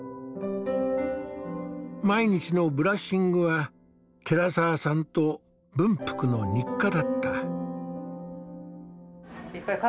毎日のブラッシングは寺澤さんと文福の日課だった。